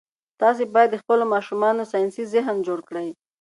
تاسي باید د خپلو ماشومانو ساینسي ذهن جوړ کړئ.